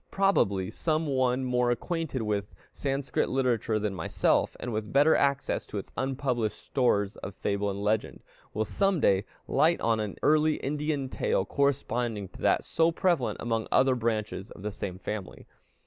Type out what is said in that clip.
Probably, some one more acquainted with Sanskrit literature than myself, and with better access to its unpublished stores of fable and legend, will some day light on an early Indian tale corresponding to that so prevalent among other branches of the same family.